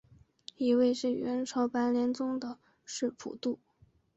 一位是元朝白莲宗的释普度。